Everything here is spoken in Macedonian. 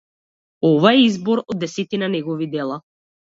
Ова е избор од десетина негови дела.